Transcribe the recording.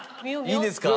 いいですか？